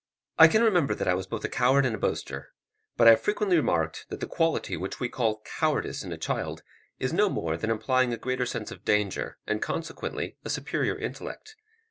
I can remember that I was both a coward and a boaster; but I have frequently remarked that the quality which we call cowardice in a child, is no more than implying a greater sense of danger, and consequently a superior intellect.